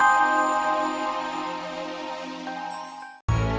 sebentar lagi kamu akan seperti itu